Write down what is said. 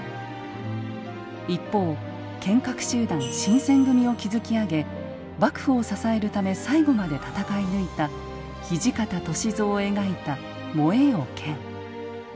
一方剣客集団新選組を築き上げ幕府を支えるため最後まで戦い抜いた土方歳三を描いた「燃えよ剣」。